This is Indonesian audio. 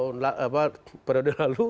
apa nih tahun periode lalu